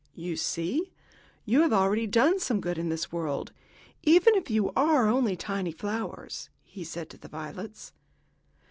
"You see, you have already done some good in this world, even if you are only tiny flowers," he said to the violets.